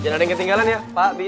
jangan ada yang ketinggalan ya pak